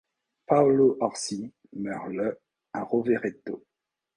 Paolo Orsi meurt le à Rovereto.